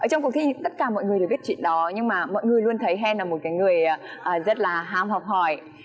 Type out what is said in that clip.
ở trong cuộc thi tất cả mọi người đã biết chuyện đó nhưng mà mọi người luôn thấy hèn là một cái người rất là ham học hỏi